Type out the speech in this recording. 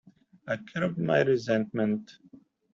I curbed my resentment.